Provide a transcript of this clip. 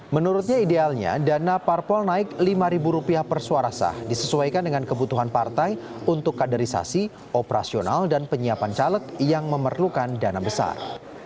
menurutnya idealnya dana parpol naik rp lima per suara sah disesuaikan dengan kebutuhan partai untuk kaderisasi operasional dan penyiapan caleg yang memerlukan dana besar